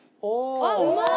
あっうまい！